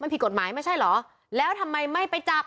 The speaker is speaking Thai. มันผิดกฎหมายไม่ใช่เหรอแล้วทำไมไม่ไปจับ